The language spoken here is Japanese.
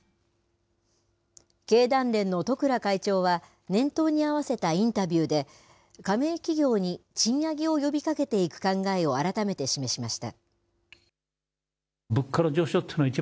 経団連の十倉会長は、年頭に合わせたインタビューで、加盟企業に賃上げを呼びかけていく考えを改めて示しました。